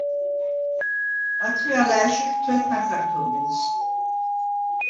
ათხე ალა̄̈შიხ თუ̂ეთნა ქართობილს.